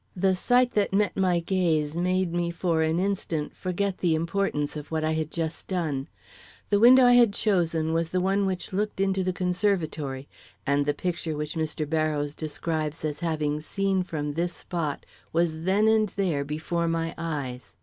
The sight that met my gaze made me for an instant forget the importance of what I had just done. The window I had chosen was the one which looked into the conservatory, and the picture which Mr. Barrows describes as having seen from this spot was then and there before my eyes.